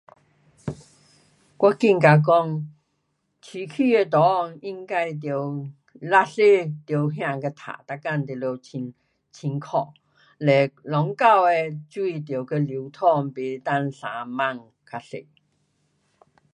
我觉得讲，市区的内应该得垃圾得倒得清，每天都得清，清澈，嘞隆沟的水得给流通，不能生蚊较多。